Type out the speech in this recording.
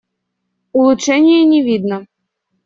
Улучшения не видно.